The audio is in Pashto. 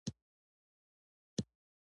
په خبرونو کي شته، تا نه دي لیدلي؟